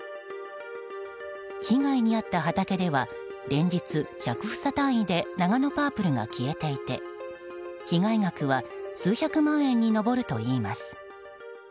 被害に遭った畑では連日、１００房単位でナガノパープルが消えていて被害額は数百万円に上るといいます。